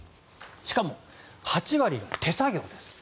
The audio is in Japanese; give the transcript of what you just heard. しかも８割が手作業です。